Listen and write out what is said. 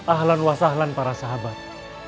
ahlan wasahlan para sahabat